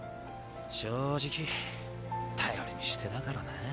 正直頼りにしてたからな。